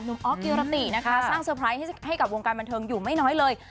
ออฟกิรตินะคะสร้างเตอร์ไพรส์ให้กับวงการบันเทิงอยู่ไม่น้อยเลย